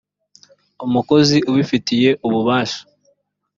umukozi ubifitiye ububasha